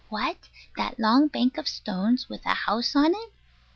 What, that long bank of stones, with a house on it?